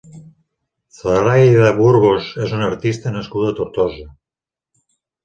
Zoraida Burgos és una artista nascuda a Tortosa.